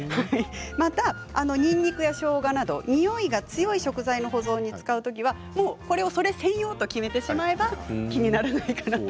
また、にんにくやしょうがなどにおいが強い食材の保存に使うときはそれ専用と決めてしまえば気にならないかなと。